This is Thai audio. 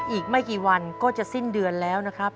อีกไม่กี่วันก็จะสิ้นเดือนแล้วนะครับ